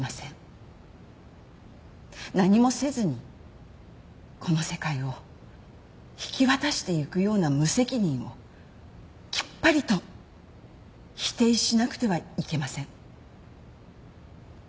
何もせずにこの世界を引き渡してゆくような無責任をきっぱりと否定しなくてはいけません。